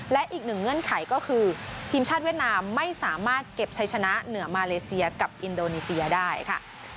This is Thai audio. และอีกหนึ่งเงื่อนไขก็คือทีมชาติเวียดนามไม่สามารถเก็บชัยชนะเหนือมาเลเซียกับอินโดนีเซียได้ค่ะ